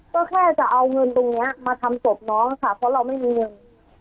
ก็แค่จะเอาเงินตรงนี้มาทำศพน้องค่ะเพราะเราไม่มีเงิน